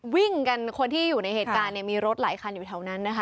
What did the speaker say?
วิ่งกันคนที่อยู่ในเหตุการณ์มีรถไหลคนอยู่ทางนั้นนะคะ